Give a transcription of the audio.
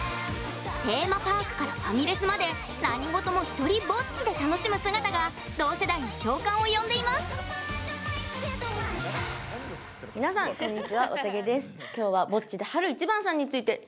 テーマパークからファミレスまで何事もひとりぼっちで楽しむ姿が同世代に共感を呼んでいます。さらに。